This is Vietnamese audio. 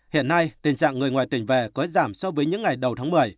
hiện nay tình trạng người ngoài tuyển về có giảm so với những ngày đầu tháng một mươi